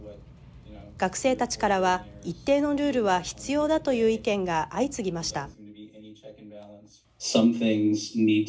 学生たちからは一定のルールは必要だという意見が相次ぎました。